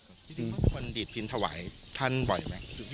พี่ถึงความควรดิดพินทวายท่านบ่อยไหม